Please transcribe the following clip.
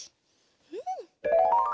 うん。